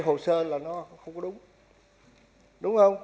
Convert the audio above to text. hồ sơ là nó không có đúng đúng không